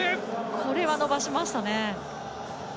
これは伸ばしましたね。